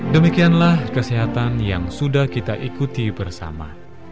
demikianlah kesehatan yang sudah kita ikuti bersama